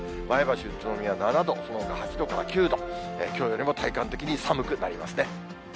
前橋、宇都宮７度、そのほか８度から９度、きょうよりも体感的に寒くなりますね。